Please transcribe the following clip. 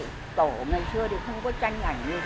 tổ ngày xưa thì không có tranh ảnh gì